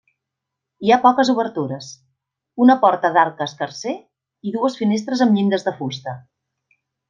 Hi ha poques obertures, una porta d'arc escarser i dues finestres amb llindes de fusta.